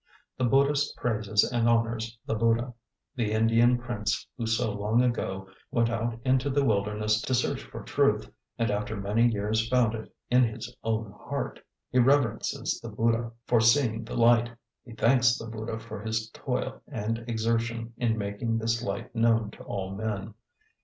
The Buddhist praises and honours the Buddha, the Indian prince who so long ago went out into the wilderness to search for truth, and after many years found it in his own heart; he reverences the Buddha for seeing the light; he thanks the Buddha for his toil and exertion in making this light known to all men.